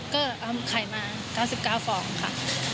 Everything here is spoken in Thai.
ก็เอาไข่มา๙๙ฟองค่ะ